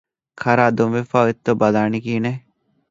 ކަރާ ދޮންވެފައި އޮތްތޯ ބަލާނީ ކިހިނެއް؟